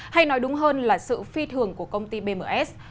hay nói đúng hơn là sự phi thường của công ty bms